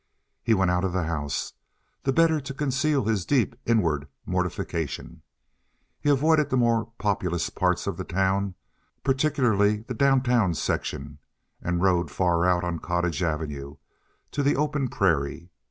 He went out of the house, the better to conceal his deep inward mortification. He avoided the more populous parts of the town, particularly the down town section, and rode far out on Cottage Grove Avenue to the open prairie.